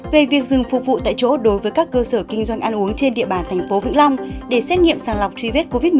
về việc dừng phục vụ tại chỗ đối với các cơ sở kinh doanh ăn uống trên địa bàn thành phố vĩnh long để xét nghiệm sàng lọc truy vết covid một mươi chín